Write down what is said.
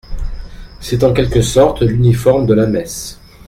C'est en quelque sorte l'uniforme de la messe.